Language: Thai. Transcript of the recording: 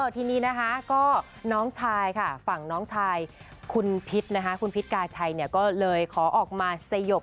ทีนี้ก็ฝั่งน้องชายคุณพิษกาชัยก็เลยขอออกมาสยบ